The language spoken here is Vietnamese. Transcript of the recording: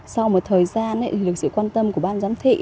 sau một thời gian được sự quan tâm của ban giám thị